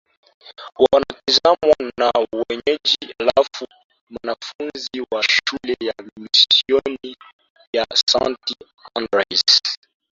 wanatizamwa na wenyeji halafu wanafunzi wa shule ya misioni ya Santi Andrews